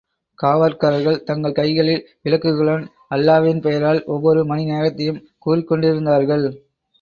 காவற்காரர்கள் தங்கள் கைகளில் விளக்குகளுடன் அல்லாவின் பெயரால் ஒவ்வொரு மணி நேரத்தையும் கூறிக் கொண்டிருந்தார்கள்.